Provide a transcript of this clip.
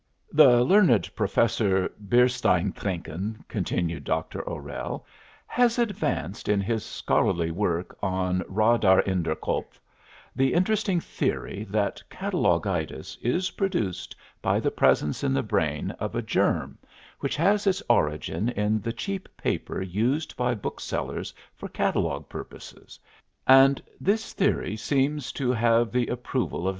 "The learned Professor Biersteintrinken," continued Dr. O'Rell, "has advanced in his scholarly work on 'Raderinderkopf' the interesting theory that catalogitis is produced by the presence in the brain of a germ which has its origin in the cheap paper used by booksellers for catalogue purposes, and this theory seems to have the approval of M.